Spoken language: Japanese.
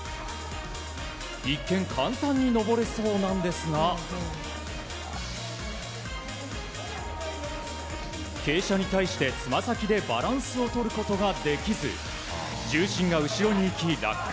一見、簡単に登れそうなんですが傾斜に対してつま先でバランスをとることができず重心が後ろにいき、落下。